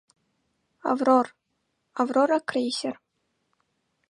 Аврор — «Аврора» крейсер.